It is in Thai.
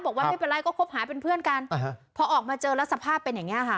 บอกว่าไม่เป็นไรก็คบหาเป็นเพื่อนกันพอออกมาเจอแล้วสภาพเป็นอย่างนี้ค่ะ